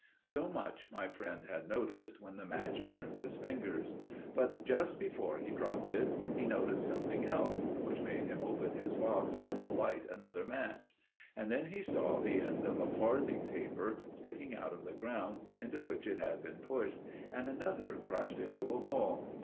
So much my friend had noticed when the match burned his fingers: but just before he dropped it he noticed something else which made him open his box and light another match: and then he saw the end of a farthing taper sticking out of the ground into which it had been pushed, and another crushed into a ball.